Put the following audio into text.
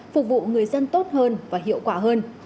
phục vụ người dân tốt hơn và hiệu quả hơn